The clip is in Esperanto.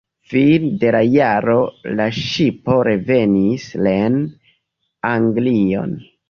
Fine de la jaro la ŝipo revenis reen Anglion.